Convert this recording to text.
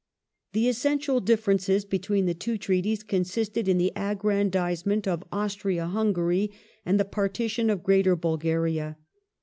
The essential differences between the two Treaties consisted in the aggrandisement of Austria Hungary and the partition of '' Greater Bulgaria